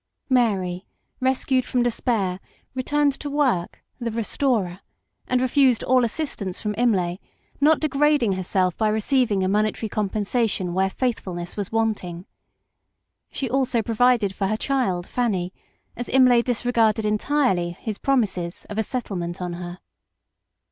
Mary, rescued from despair, returned to work, the restorer, and refused all assistance from Imlay, not degrading herself by receiving a monetary compensation where faithfulness was wanting. She also provided for her child Fanny, as Imlay disregarded entirely his pro mises of a settlement on her.